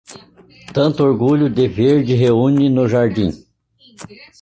Tanto orgulho de verde reúne no jardim.